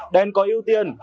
đen có ưu tiên